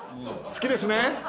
好きですね？